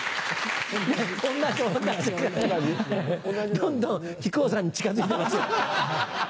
どんどん木久扇さんに近づいてますよ。